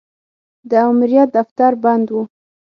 د امریت دفتر بند و.